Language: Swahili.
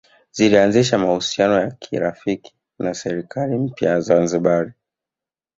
Zilianzisha mahusiano ya kirafiki na serikali mpya ya Zanzibar